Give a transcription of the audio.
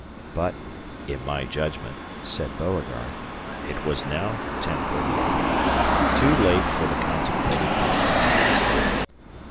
But "in my judgment," said Beauregard, "it was now (10.30 A.M.) too late for the contemplated movement."